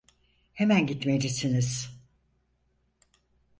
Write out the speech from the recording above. Hemen gitmelisiniz.